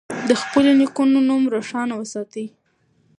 د خپلو نیکونو نوم روښانه وساتئ.